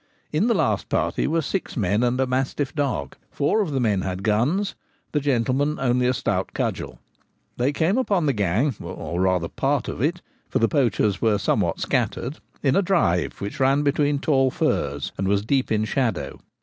In the last party were six men and a mastiff dog ; four of the men had guns, the gentleman only a stout cudgel. They came upon the gang — or rather a part of it, for the poachers were somewhat scattered — in a ' drive ' which ran between tall firs, and was deep in shadow.